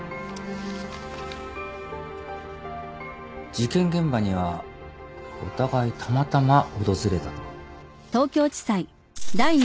事件現場にはお互いたまたま訪れたと。